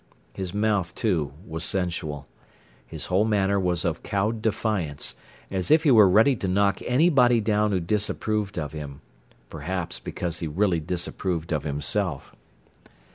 His mouth, too, was sensual. His whole manner was of cowed defiance, as if he were ready to knock anybody down who disapproved of him—perhaps because he really disapproved of himself.